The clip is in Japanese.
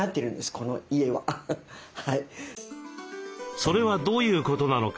それはどういうことなのか？